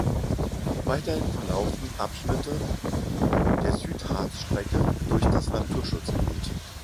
Weiterhin verlaufen Abschnitte der Südharzstrecke durch das Naturschutzgebiet.